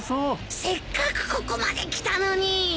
せっかくここまで来たのに！